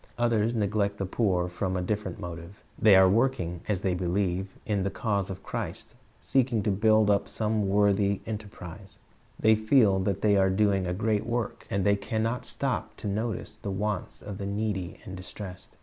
Others neglect the poor from a different motive. They are working, as they believe, in the cause of Christ, seeking to build up some worthy ijolm 15 : 17; 13:34 "IF/io Is My Ncio; hbor?'' 383 enterprise. They feel that they are doing a threat work, and they can not stop to notice tlie wants of the needy and distressed.